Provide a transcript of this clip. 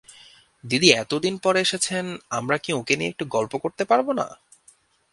দিদি এতদিন পরে এসেছেন, আমরা কি ওঁকে নিয়ে একটু গল্প করতে পাব না?